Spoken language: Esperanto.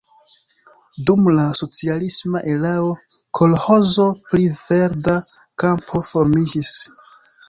Dum la socialisma erao kolĥozo pri Verda Kampo formiĝis.